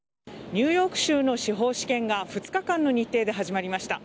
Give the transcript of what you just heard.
ニューヨーク州の司法試験が２日間の日程で始まりました。